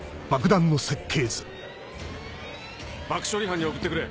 爆処理班に送ってくれ。